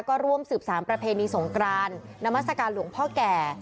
ก็ร่วมสืบสารประเพณีสงกรานนามัศกาลหลวงพ่อแก่